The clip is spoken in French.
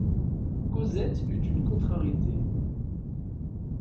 Cosette eut une contrariété.